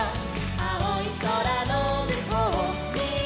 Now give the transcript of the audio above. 「あおいそらのむこうには」